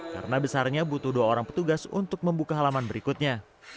karena besarnya butuh dua orang petugas untuk membuka halaman berikutnya